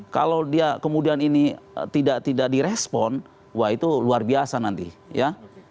kalau dia kemudian ini tidak direspon wah itu luar biasa nanti ya